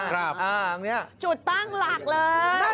ผมเคยมีประสบการณ์